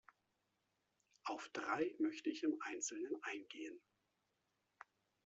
Auf drei möchte ich im Einzelnen eingehen.